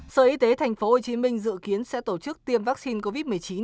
sở y tế thành phố hồ chí minh dự kiến sẽ tổ chức tiêm vaccine covid một mươi chín